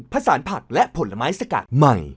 ผสานผักและผลไม้สกัดใหม่